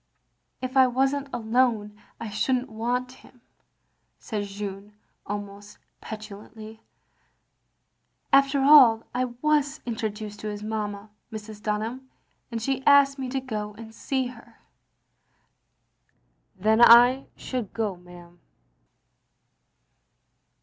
"" If I was n't alone — I should n't want him," said Jeanne, almost petulantly. "After aU I was introduced to his mamma, Mrs. Dunham, and she asked me to go and see her. " "Then I should go, ma'am."